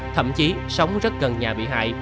thậm chí sống rất gần nhà bị hại